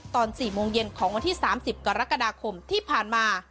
ตอน๔โมงเย็นของวันที่๓๐กรกฎาคมที่ผ่านมา